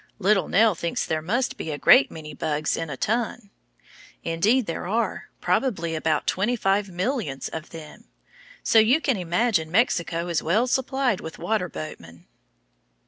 Little Nell thinks there must be a great many bugs in a ton. Indeed, there are, probably about twenty five millions of them; so you can imagine Mexico is well supplied with water boatmen!